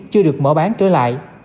chưa được mở bán trở lại